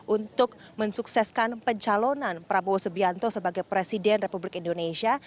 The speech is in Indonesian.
untuk mensukseskan pencalonan prabowo subianto sebagai presiden republik indonesia